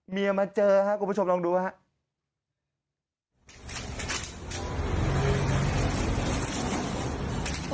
เมียมาเจอครับคุณผู้ชมลองดูว่าครับ